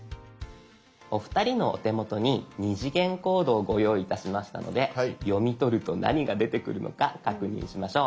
お二人のお手元に２次元コードをご用意いたしましたので読み取ると何が出てくるのか確認しましょう。